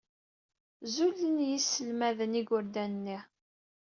Zulen yiselmaden igerdan-nni.